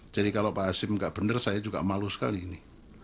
jadi kalau pak asim nggak benar saya juga malu sekali ini